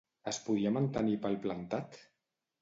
Es podia mantenir palplantat?